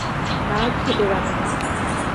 না, ছোটোরানীমা।